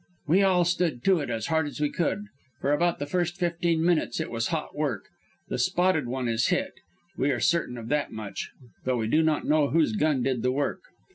We all stood to it as hard as we could. For about the first fifteen minutes it was hot work. The Spotted One is hit. We are certain of that much, though we do not know whose gun did the work.